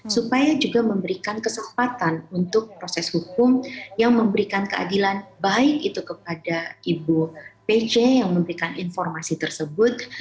supaya juga memberikan kesempatan untuk proses hukum yang memberikan keadilan baik itu kepada ibu pc yang memberikan informasi tersebut